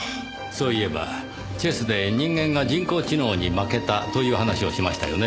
そういえばチェスで人間が人工知能に負けたという話をしましたよね。